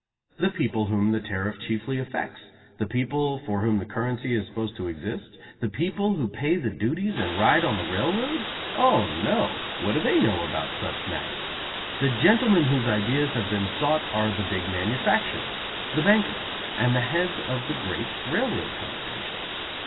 The people whom the tariff chiefly affects, the people for whom the currency is supposed to exist, the people who pay the duties and ride on the railroads? Oh, no! What do they know about such matters! The gentlemen whose ideas have been sought are the big manufacturers, the bankers, and the heads of the great railroad combinations.